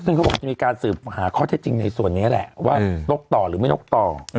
ซึ่งเขาบอกจะมีการสืบหาข้อเท็จจริงในส่วนนี้แหละว่านกต่อหรือไม่นกต่อ